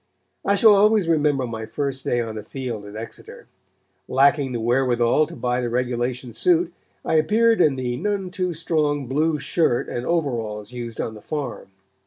I shall always remember my first day on the field at Exeter. Lacking the wherewithal to buy the regulation suit, I appeared in the none too strong blue shirt and overalls used on the farm.